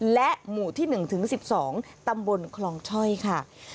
และหมู่ที่๑ถึง๑๒ตำบลคลองช่อยค่ะ